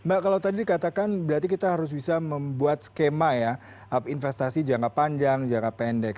mbak kalau tadi dikatakan berarti kita harus bisa membuat skema ya investasi jangka panjang jangka pendek